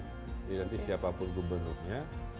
jadi nanti siapapun gubernurnya